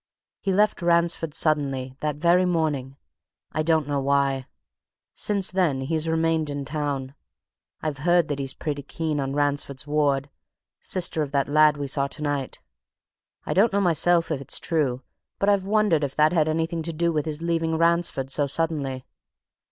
He left Ransford suddenly that very morning. I don't know why. Since then he's remained in the town. I've heard that he's pretty keen on Ransford's ward sister of that lad we saw tonight. I don't know myself, if it's true but I've wondered if that had anything to do with his leaving Ransford so suddenly."